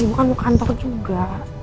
ibu kan mau kantor juga